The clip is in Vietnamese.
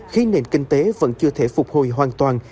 khi nền kinh tế vẫn chưa thể phục hồi hoàn toàn